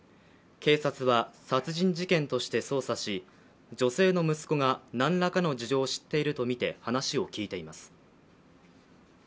警察は殺人事件として捜査し、女性の息子が何らかの事情を知っているとみて話を聴いています。